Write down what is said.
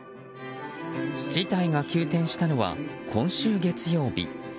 事態が急転したのは今週月曜日。